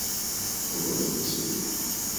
Валентина